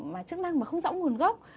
mà chức năng mà không rõ nguồn gốc